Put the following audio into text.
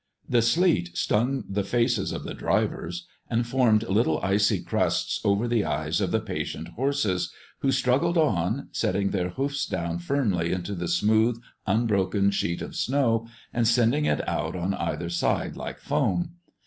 The sleet stung the faces of the drivers and formed little icy crusts over the eyes of the patient horses, who struggled on, setting their hoofs down firmly into the smooth, unbroken sheet of snow and sending it out on either side like foam.